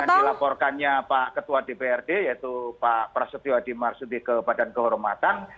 yang dilaporkannya pak ketua dprd yaitu pak prasetyo adi marsudi ke badan kehormatan